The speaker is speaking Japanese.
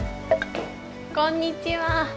こんにちは。